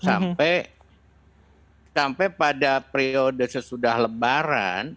sampai pada periode sesudah lebaran